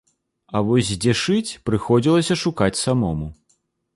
А вось дзе шыць, прыходзілася шукаць самому.